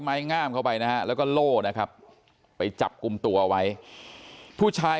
ไม้งามเข้าไปนะฮะแล้วก็โล่นะครับไปจับกลุ่มตัวไว้ผู้ชาย